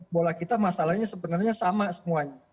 bola kita masalahnya sebenarnya sama semuanya